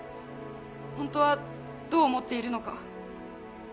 ホントはどう思っているのか。